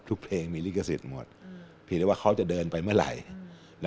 เพลงมีลิขสิทธิ์หมดเพียงแต่ว่าเขาจะเดินไปเมื่อไหร่